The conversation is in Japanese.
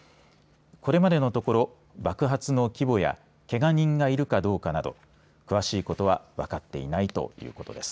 これまでのところ爆発の規模やけが人がいるかどうかなど詳しいことは分かっていないということです。